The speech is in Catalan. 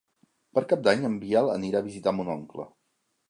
Per Cap d'Any en Biel anirà a visitar mon oncle.